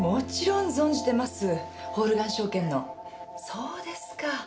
そうですか。